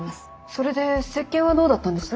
それで接見はどうだったんです？